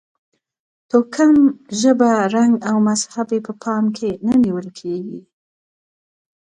توکم، ژبه، رنګ او مذهب یې په پام کې نه نیول کېږي.